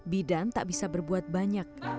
bidan tak bisa berbuat banyak